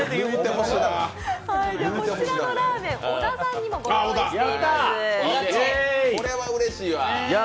こちらのラーメン、小田さんにもご用意しています。